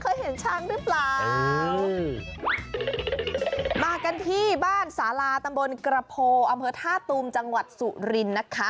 อ๋อก็เราเคยได้ดูช้างน้อย